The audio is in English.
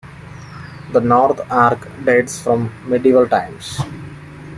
The North arch dates from medieval times.